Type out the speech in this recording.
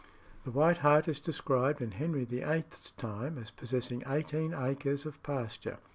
The White Hart is described in Henry VIII.'s time as possessing eighteen acres of pasture.